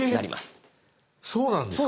え⁉そうなんですか？